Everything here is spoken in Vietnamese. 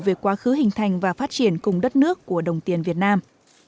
về quá khứ hình thành và phát triển cùng đất nước của đồng tiền việt nam